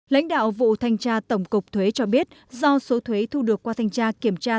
lãnh đạo vụ thanh tra tổng cục thuế cho biết do số thuế thu được qua thanh tra kiểm tra